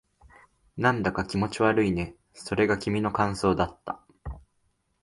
なんだか気持ち悪いね。それが君の感想だった。